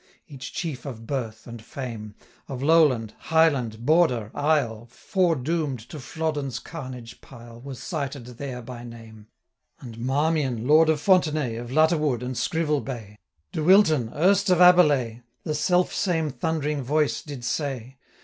Each chief of birth and fame, Of Lowland, Highland, Border, Isle, Fore doom'd to Flodden's carnage pile, 760 Was cited there by name; And Marmion, Lord of Fontenaye, Of Lutterward, and Scrivelbaye; De Wilton, erst of Aberley, The self same thundering voice did say.